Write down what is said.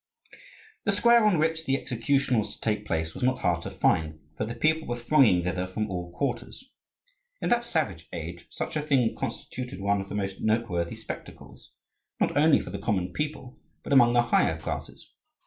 The square on which the execution was to take place was not hard to find: for the people were thronging thither from all quarters. In that savage age such a thing constituted one of the most noteworthy spectacles, not only for the common people, but among the higher classes.